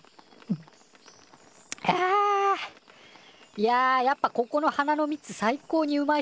いややっぱここの花の蜜最高にうまいっすね。